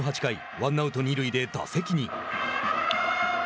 ワンアウト、二塁で打席に。